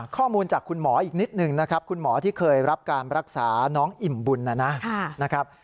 ข้อมูลจากคุณหมออีกนิดหนึ่งนะครับคุณหมอที่เคยรับการรักษาน้องอิ่มบุญนะครับ